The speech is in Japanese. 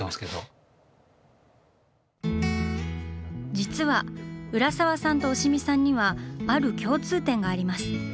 実は浦沢さんと押見さんにはある共通点があります。